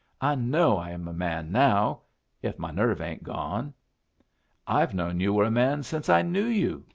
I know I am a man now if my nerve ain't gone." "I've known you were a man since I knew you!"